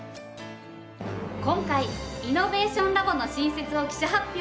今回イノベーションラボの新設を記者発表。